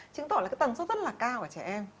chứng tỏ là cái tầng số rất là cao của trẻ em